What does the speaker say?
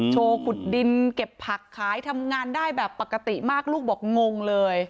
ขุดดินเก็บผักขายทำงานได้แบบปกติมากลูกบอกงงเลย